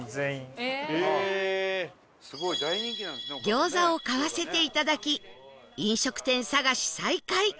餃子を買わせていただき飲食店探し再開